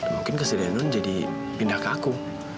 mungkin kesedihan non jadi pindah ke aku